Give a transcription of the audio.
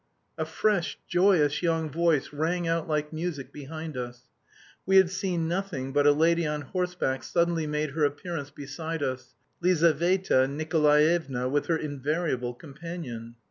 A fresh, joyous young voice rang out like music behind us. We had seen nothing, but a lady on horseback suddenly made her appearance beside us Lizaveta Nikolaevna with her invariable companion.